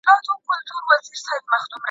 زده کړه د هرې ناکامۍ په پای کې وي.